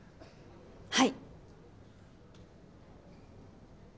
はい。